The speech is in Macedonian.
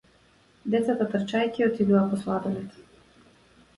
Децата трчајќи отидоа по сладолед.